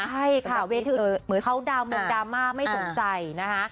ใช่ค่ะเวทย์เขาดาวเมืองดามาไม่สนใจนะคะ